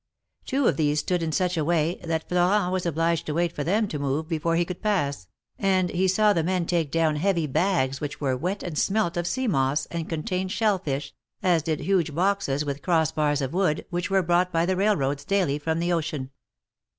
Two of these stood in such a way that Florent was obliged to wait for them to move before he could pass, and he saw the men take down heavy bags which were wet and smelt of sea moss, and contained shell fish, as did huge boxes with cross bars of wood, which were brought by the railroads daily from the ocean.